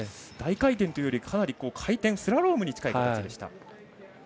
大回転というより回転スラロームに近い形でした。